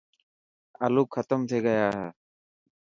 آلو ختم ٿي گيا هي.